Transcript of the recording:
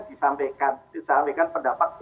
disampaikan disampaikan pendapat